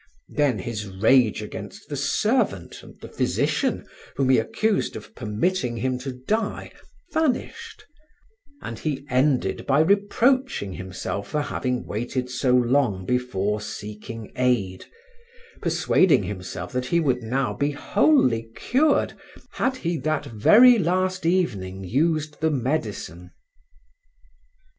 Then his rage against the servant and the physician whom he accused of permitting him to die, vanished, and he ended by reproaching himself for having waited so long before seeking aid, persuading himself that he would now be wholly cured had he that very last evening used the medicine.